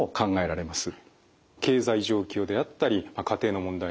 経済状況であったり家庭の問題